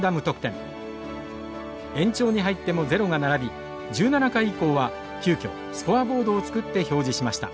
延長に入ってもゼロが並び１７回以降は急きょスコアボードを作って表示しました。